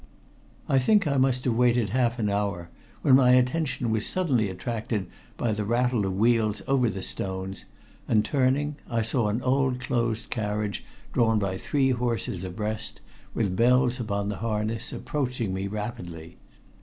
I think I must have waited half an hour, when my attention was suddenly attracted by the rattle of wheels over the stones, and turning I saw an old closed carriage drawn by three horses abreast, with bells upon the harness, approaching me rapidly.